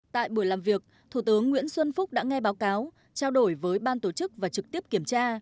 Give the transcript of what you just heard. tại buổi làm việc thủ tướng nguyễn xuân phúc đã nghe báo cáo trao đổi với ban tổ chức và trực tiếp kiểm tra